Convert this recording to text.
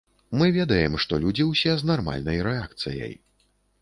Мы ведаем, што людзі ўсе з нармальнай рэакцыяй.